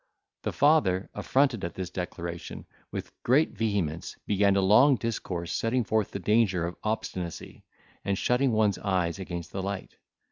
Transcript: The father, affronted at this declaration, with great vehemence began a long discourse, setting forth the danger of obstinacy, and shutting one's eyes against the light.